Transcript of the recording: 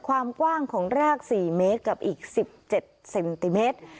ความกว้างของราก๔เมตรกับอีก๑๗เซนติเมตร